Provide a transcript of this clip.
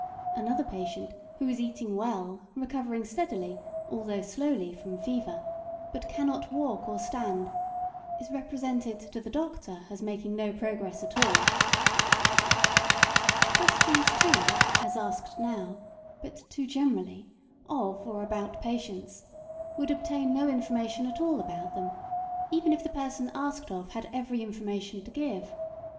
Another patient who is eating well, recovering steadily, although slowly, from fever, but cannot walk or stand, is represented to the doctor as making no progress at all. [Sidenote: Leading questions useless or misleading.] Questions, too, as asked now (but too generally) of or about patients, would obtain no information at all about them, even if the person asked of had every information to give.